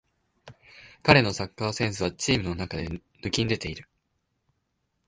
彼のサッカーセンスはチームの中で抜きんでてる